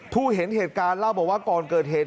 ผู้เห็นเหตุการณ์เล่าบอกว่าก่อนเกิดเหตุ